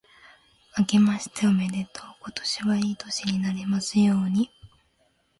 あけましておめでとう。今年はいい年になりますように。